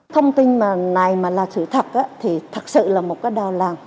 thông tin này là sự thật thật sự là một đào làng